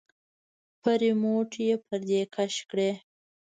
په رېموټ يې پردې کش کړې.